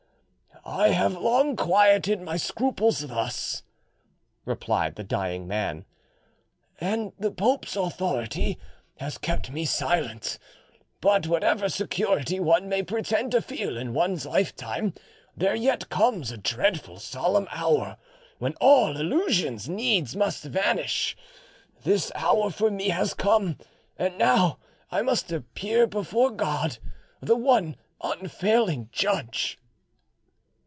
"I have long quieted my scruples thus," replied the dying man, "and the pope's authority has kept me silent; but whatever security one may pretend to feel in one's lifetime, there yet comes a dreadful solemn hour when all illusions needs must vanish: this hour for me has come, and now I must appear before God, the one unfailing judge."